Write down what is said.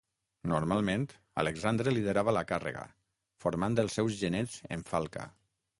Normalment, Alexandre liderava la càrrega, formant els seus genets en falca.